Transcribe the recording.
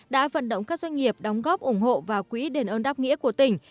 đã vận động các doanh nghiệp đóng góp ủng hộ vào quỹ đền ơn đáp nghĩa của tỉnh